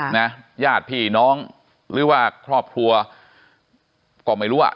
นะญาติพี่น้องหรือว่าครอบครัวก็ไม่รู้อ่ะ